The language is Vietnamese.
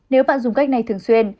nếu bạn dùng cách này thường xuyên